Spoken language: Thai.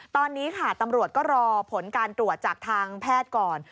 ตอนนี้ค่ะตำรวจก็รอผลการตรวจจากทางแพทย์ก่อน